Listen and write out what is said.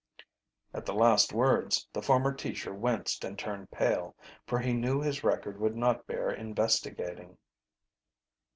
At the last words the former teacher winced and turned pale, for he knew his record would not bear investigating.